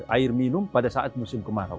air minum pada saat musim kemarau